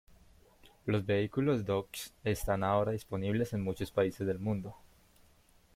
Los vehículos Dodge están ahora disponibles en muchos países del mundo.